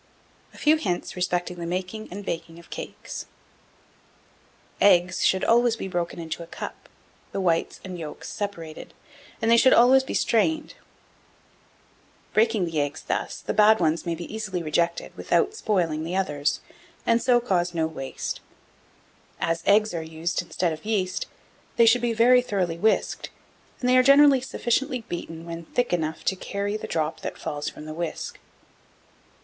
A FEW HINTS respecting the Making and Baking of CAKES. 1704. Eggs should always be broken into a cup, the whites and yolks separated, and they should always be strained. Breaking the eggs thus, the bad ones may be easily rejected without spoiling the others, and so cause no waste. As eggs are used instead of yeast, they should be very thoroughly whisked; they are generally sufficiently beaten when thick enough to carry the drop that falls from the whisk.